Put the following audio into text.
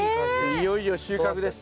いよいよ収穫です。